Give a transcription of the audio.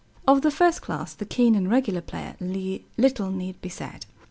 Of the first class, the keen and regular player, little need be said.